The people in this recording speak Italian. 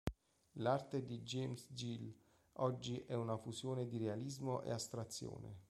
L'arte di James Gill oggi è una fusione di realismo e astrazione.